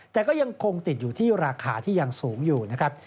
แต่ก็ยังคงติดอยู่ที่ราคาที่ยังสูงอยู่นะครับ